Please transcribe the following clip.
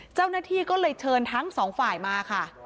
เจ้าหน้าที่ก็เลยเชิญทั้งสองฝ่ายมาค่ะ